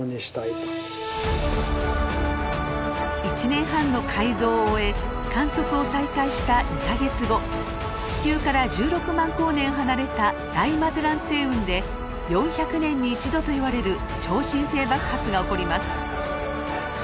１年半の改造を終え観測を再開した２か月後地球から１６万光年離れた大マゼラン星雲で４００年に一度といわれる超新星爆発が起こります。